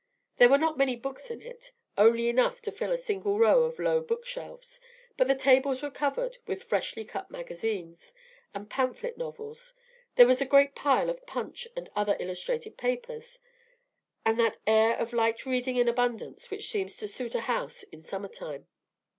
There were not many books in it, only enough to fill a single low range of book shelves; but the tables were covered with freshly cut magazines and pamphlet novels; there was a great file of "Punch" and other illustrated papers, and that air of light reading in abundance which seems to suit a house in summer time.